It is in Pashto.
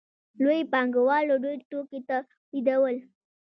لویو پانګوالو ډېر توکي تولیدول